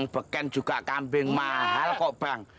beken juga kambing mahal kok bang